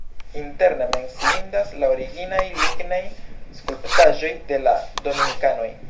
Interne menciindas la originaj lignaj skulptaĵoj de la dominikanoj.